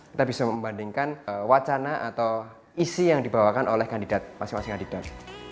kita bisa membandingkan wacana atau isi yang dibawakan oleh kandidat masing masing kandidat